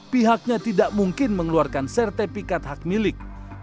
pihaknya tidak mungkin mengeluarkan sertifikat hak milik